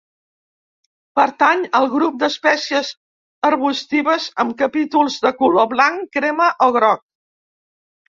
Pertany al grup d'espècies arbustives amb capítols de color blanc, crema o groc.